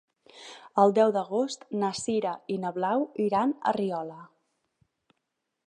El deu d'agost na Sira i na Blau iran a Riola.